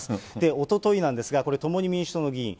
おとといなんですが、これ、共に民主党の議員。